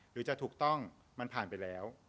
หรือจะถูกต้องมันผ่านไปแล้ว